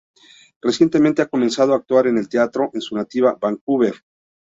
Recientemente ha comenzado a actuar en el teatro, en su nativa Vancouver.